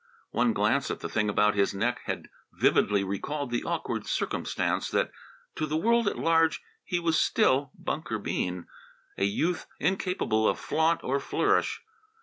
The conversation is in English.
One glance at the thing about his neck had vividly recalled the awkward circumstance that, to the world at large, he was still Bunker Bean, a youth incapable of flaunt or flourish.